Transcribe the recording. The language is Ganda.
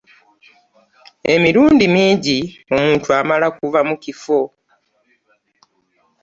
Emirundi minji omuntu amala kuva mu kifo .